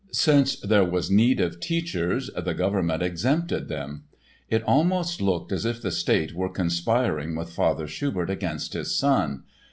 Since there was need of teachers, the government exempted them. It almost looked as if the State were conspiring with Father Schubert against his son.